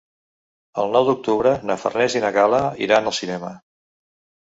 El nou d'octubre na Farners i na Gal·la iran al cinema.